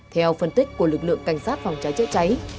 theo phân tích của lực lượng cảnh sát phòng cháy chữa cháy